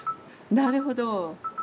なるほど。